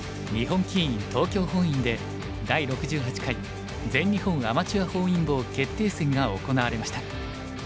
本院で第６８回全日本アマチュア本因坊決定戦が行われました。